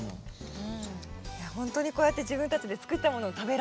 いやほんとにこうやって自分たちで作ったものを食べられる。